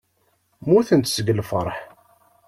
Mmutent seg lfeṛḥ.